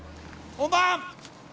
・本番！